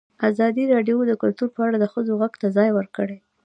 ازادي راډیو د کلتور په اړه د ښځو غږ ته ځای ورکړی.